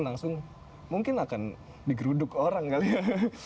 langsung mungkin akan digeruduk orang kali ya